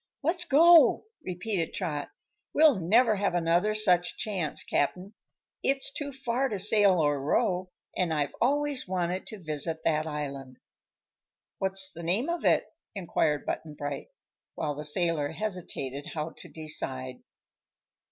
"Let's go!" repeated Trot. "We'll never have another such chance, Cap'n. It's too far to sail or row, and I've always wanted to visit that island." "What's the name of it?" inquired Button Bright, while the sailor hesitated how to decide.